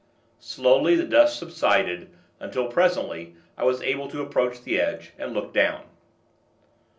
Slowly, the dust subsided, until, presently, I was able to approach the edge, and look down.